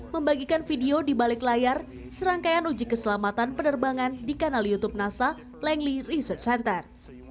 membagikan video di balik layar serangkaian uji keselamatan penerbangan di kanal youtube nasa langly research center